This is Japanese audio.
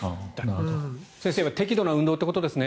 先生適度な運動ということですね。